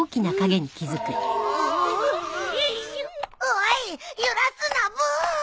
おい揺らすなブー！